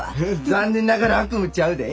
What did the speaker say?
残念ながら悪夢ちゃうで。